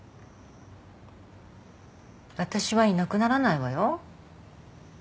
私はいなくならないわよ。